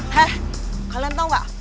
heh kalian tau gak